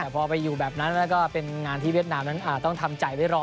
พอไปอยู่แบบนั้นแล้วก็เป็นงานที่เวียดนามนั้นต้องทำใจไว้รอ